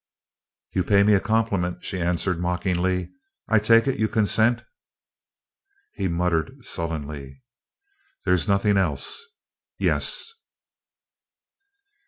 "You pay me a compliment," she answered, mockingly. "I take it you consent?" He muttered sullenly: "There's nothin' else. Yes."